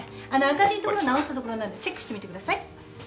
赤字のところ直したところなんでチェックしてみてください。